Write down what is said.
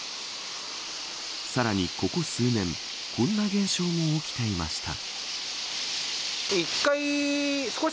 さらに、ここ数年こんな現象も起きていました。